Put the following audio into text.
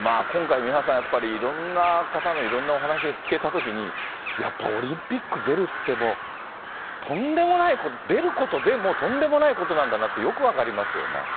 今回、三輪さん、いろんな方のいろんなお話が聞けたときに、やっぱオリンピック出るってもう、とんでもないこと、出ることでもとんでもないことなんだなってよく分かりますよね。